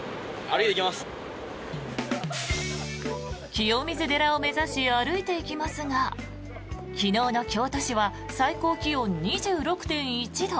清水寺を目指し歩いていきますが昨日の京都市は最高気温２６．１度。